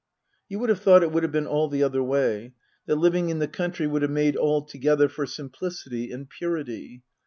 You would have thought it would have been all the other way, that living in the country would have made altogether for simplicity and purity.